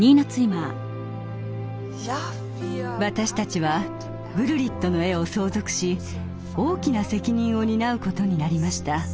私たちはグルリットの絵を相続し大きな責任を担うことになりました。